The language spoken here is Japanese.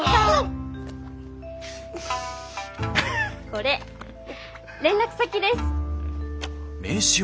これ連絡先です。